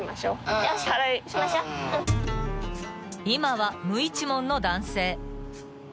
［今は無一文の男性］